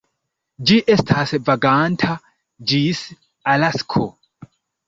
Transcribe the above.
Ĝi estas vaganta ĝis Alasko.